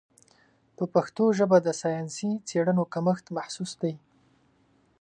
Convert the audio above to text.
په پښتو ژبه د ساینسي څېړنو کمښت محسوس دی.